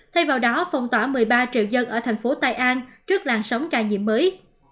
thay vào đó phong tỏa một mươi ba triệu dân ở thành phố tây an trước làn sóng ca nhiễm mới